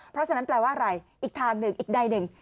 เพราะฉะนั้นแปลว่าอะไรอีกทางหนึ่งอีกใดหนึ่ง